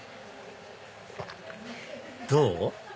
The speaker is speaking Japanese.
どう？